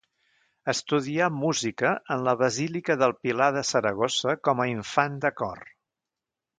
Estudià música en la Basílica del Pilar de Saragossa com a infant de cor.